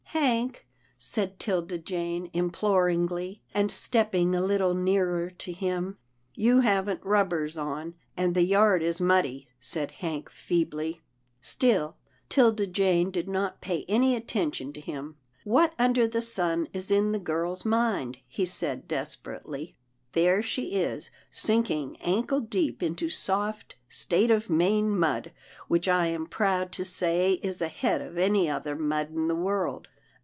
" Hank," said 'Tilda Jane, imploringly, and step ping a little nearer to him. " You haven't rubbers on, and the yard is muddy," said Hank feebly. 214 'TILDA JANE'S ORPHANS Still 'Tilda Jane did not pay any attention to him. "What under the sun is in the girl's mind?" he said desperately. " There she is sinking ankle deep into soft State of Maine mud, which I am proud to say is ahead of any other mud in the world.